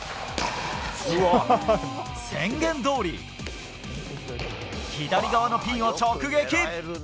宣言どおり左側のピンを直撃！